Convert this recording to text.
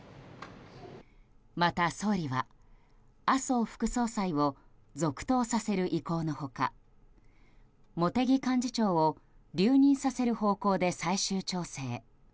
また総理は麻生副総裁を続投させる意向の他茂木幹事長を留任させる方向で最終調整。